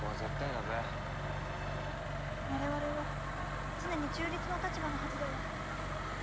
我々は常に中立の立場のはずでは？